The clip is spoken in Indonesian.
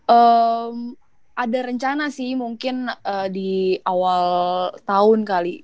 eee ada rencana sih mungkin di awal tahun kali